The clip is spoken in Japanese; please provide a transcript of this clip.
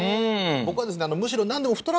僕はですね